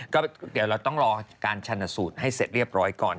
ก็เดี๋ยวเราต้องรอการชนสูตรให้เสร็จเรียบร้อยก่อน